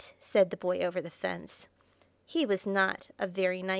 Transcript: said the Boy Over the Fence. He was not a very nice boy.